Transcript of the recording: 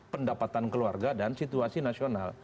pendapatan keluarga dan situasi nasional